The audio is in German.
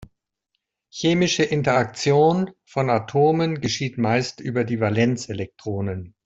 Chemische Interaktion von Atomen geschieht meist über die Valenzelektronen.